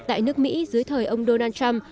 tại nước mỹ dưới thời ông donald trump